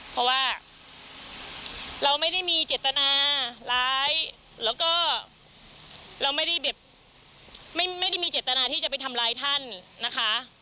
เพราะว่าเราไม่ได้มีเจตนาร้ายแล้วก็เราไม่ได้แบบไม่ได้มีเจตนาที่จะไปทำร้ายท่านนะคะ